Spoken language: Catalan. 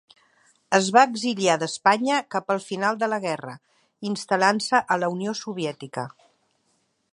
Es va exiliar d'Espanya cap al final de la guerra, instal·lant-se a la Unió Soviètica.